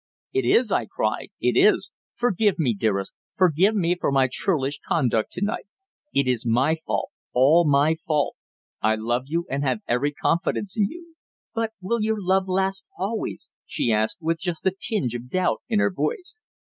"It is," I cried. "It is. Forgive me, dearest. Forgive me for my churlish conduct to night. It is my fault all my fault. I love you, and have every confidence in you." "But will your love last always?" she asked, with just a tinge of doubt in her voice.